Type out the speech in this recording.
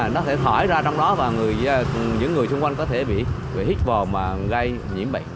nó sẽ thoải ra trong đó và những người xung quanh có thể bị hít bò mà gây nhiễm bệnh